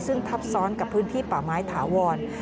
ซึ่งทับซ้อนกับพื้นที่ป่าไม้ถาวร